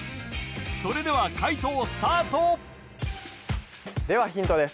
それでは解答スタートではヒントです